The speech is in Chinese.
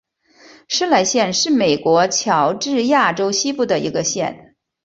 施莱县是美国乔治亚州西部的一个县。